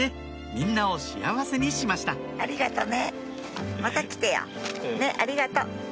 みんなを幸せにしましたねっありがと。